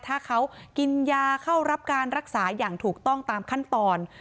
ถ้าเขากินยาเข้ารับการรักษาอย่างถูกต้องตามขั้นตอน